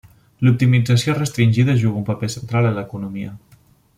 L'optimització restringida juga un paper central a l'economia.